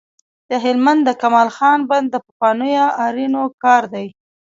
د هلمند د کمال خان بند د پخوانیو آرینو کار دی